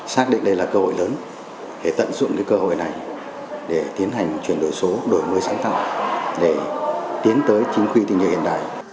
xác định đây là cơ hội lớn để tận dụng cơ hội này để tiến hành chuyển đổi số đổi mới sáng tạo để tiến tới chính quy tình nhuệ hiện đại